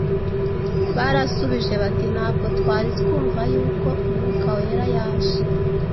barasubije bati, “Ntabwo twari twumva yuko Umwuka Wera yaje.”